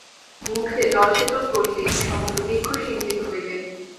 মূলে জলসেচন করিলেই সমগ্র বৃক্ষ সিঞ্চিত হইবে।